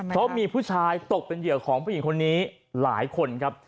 เพราะมีผู้ชายตกเป็นเหยื่อของผู้หญิงคนนี้หลายคนครับ